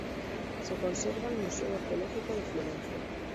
Se conserva al Museo Arqueológico de Florencia.